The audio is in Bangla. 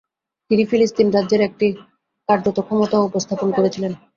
তিনি ফিলিস্তিন রাজ্যের একটি কার্যত ক্ষমতাও উপস্থাপন করেছিলেন।